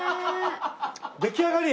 出来上がり？